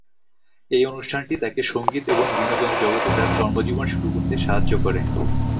এই অনুষ্ঠানটি তাকে সঙ্গীত এবং বিনোদন জগতে তার কর্মজীবন শুরু করতে সাহায্য করে।